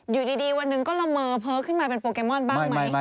อยู่ดีวันหนึ่งก็ละเมอเพ้อขึ้นมาเป็นโปเกมอนบ้างไหม